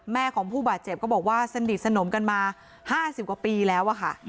แม่ของผู้บาดเจ็บก็บอกว่าสนิทสนมมา๕๐กว่าปีแล้ว